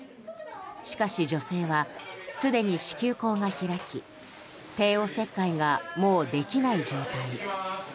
しかし、女性はすでに子宮口が開き帝王切開がもうできない状態。